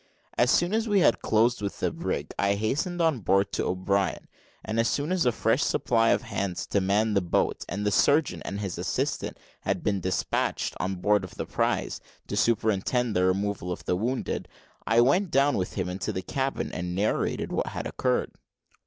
As soon as we had closed with the brig, I hastened on board to O'Brien, and as soon as a fresh supply of hands to man the boat, and the surgeon and his assistant had been despatched on board of the prize, to superintend the removal of the wounded, I went down with him into the cabin, and narrated what had occurred.